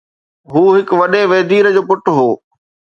هو هڪ وڏي ويدير جو پٽ هو.